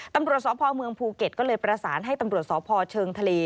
ตำรวจสพเมืองภูเก็ตก็เลยประสานให้ตำรวจสพเชิงทะเล